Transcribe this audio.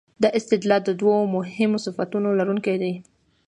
دا استدلال د دوو مهمو صفتونو لرونکی دی.